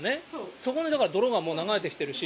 そこにだから泥がもう流れてきてるし。